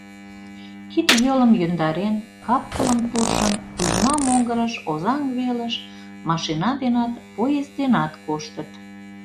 Кид-йолым йӧндарен, капкылым туржын, Кузьма могырыш, Озаҥ велыш машина денат, поезд денат коштыт.